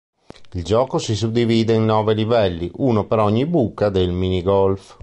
Il gioco si suddivide in nove livelli, uno per ogni buca del minigolf.